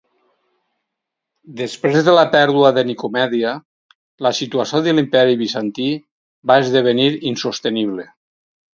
Després de la pèrdua de Nicomèdia, la situació de l'Imperi Bizantí va esdevenir insostenible.